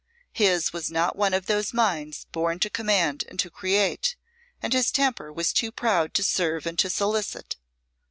His was not one of those minds born to command and to create; and his temper was too proud to serve and to solicit.